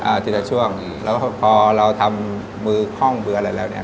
อ่าทีละช่วงแล้วพอเราทำมือค่องเบื้อหลายแล้วเนี่ย